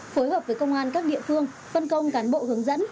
phối hợp với công an các địa phương phân công cán bộ hướng dẫn